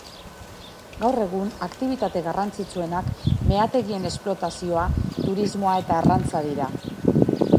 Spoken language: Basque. Gaur egun, aktibitate garrantzitsuenak, meategien esplotazioa, turismoa eta arrantza dira.